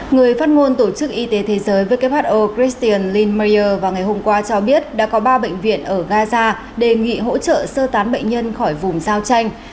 người phát ngôn tổ chức y tế thế giới who christian lindmayer vào ngày hôm qua cho biết đã có ba bệnh viện ở gaza đề nghị hỗ trợ sơ tán bệnh nhân khỏi vùng giao tranh